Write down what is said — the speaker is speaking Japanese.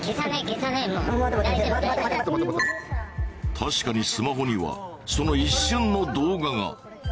確かにスマホにはその一瞬の動画が。